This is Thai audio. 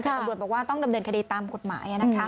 ถ้าอบริวัติบอกว่าต้องดำเนินคดีตามกฎหมายนะคะ